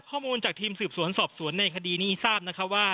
ข้อมูลจากทีมสืบสวนสอบสวนในคดีนี้ทราบนะคะว่า